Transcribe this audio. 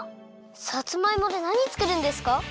さつまいもでなにつくるんですか？